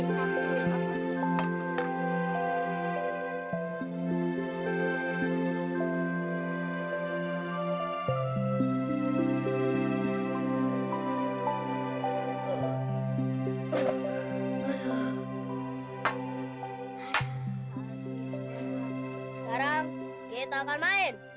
sekarang kita akan main